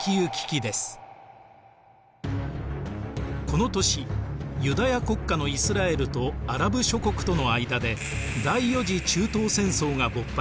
この年ユダヤ国家のイスラエルとアラブ諸国との間で第４次中東戦争が勃発。